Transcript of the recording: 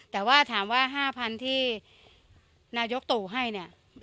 แต่ว่าถามว่า๕๐๐๐ที่นายกตู่ให้เนี่ย